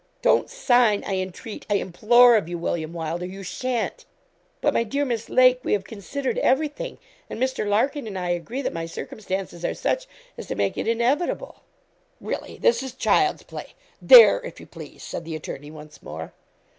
'Don't sign, I entreat, I implore of you. William Wylder, you shan't.' 'But, my dear Miss Lake, we have considered everything, and Mr. Larkin and I agree that my circumstances are such as to make it inevitable.' 'Really, this is child's play; there, if you please,' said the attorney, once more.